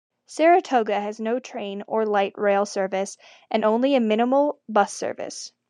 Saratoga has no train or light rail service and only a minimal bus service.